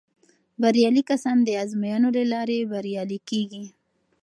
بریالي کسان د ازموینو له لارې بریالي کیږي.